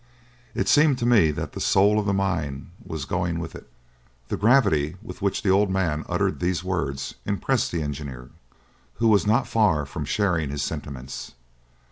It seemed to me that the soul of the mine was going with it." The gravity with which the old man uttered these words impressed the engineer, who was not far from sharing his sentiments.